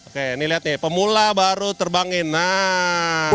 oke ini lihat nih pemula baru terlihat